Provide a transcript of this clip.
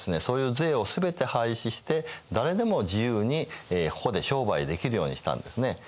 そういう税を全て廃止して誰でも自由にここで商売できるようにしたんですね。